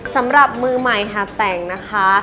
สำหรับมือใหม่หาแต่งนะคะ